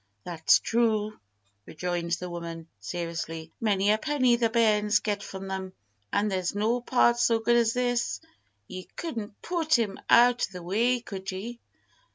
"That's true!" rejoined the woman, seriously. "Many a penny the bairns get from them, an there's no part so good as this. Ye couldn't put him out o' the way, could ye?"